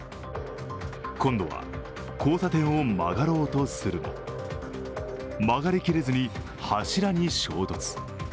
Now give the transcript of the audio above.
今度は交差点を曲がろうとするも曲がり切れずに柱に衝突。